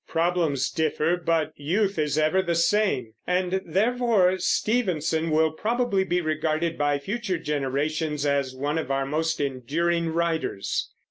Problems differ, but youth is ever the same, and therefore Stevenson will probably be regarded by future generations as one of our most enduring writers.